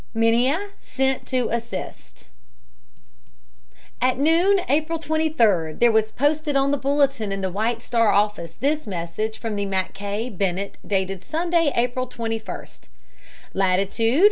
MINIA SENT TO ASSIST At noon, April 23d, there was posted on the bulletin in the White Star office this message from the Mackay Bennett dated Sunday, April 21st: "Latitude, 41.